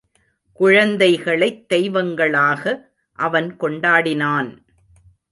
குழந்தைகளைத் தெய்வங்களாக அவன் கொண்டாடினான்.